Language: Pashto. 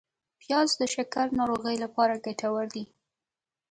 پیاز د شکر ناروغۍ لپاره ګټور دی